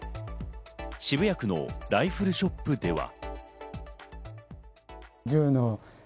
渋谷区のライフルショップでは。